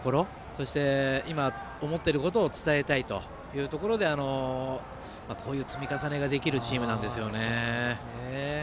そして、今、思っていることを伝えたいということでこういう積み重ねができるチームなんですよね。